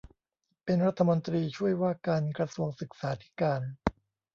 เป็นรัฐมนตรีช่วยว่าการกระทรวงศึกษาธิการ